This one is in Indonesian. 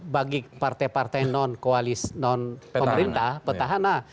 bagi partai partai non koalisi non pemerintah petahana